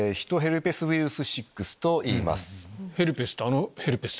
ヘルペスってあのヘルペス？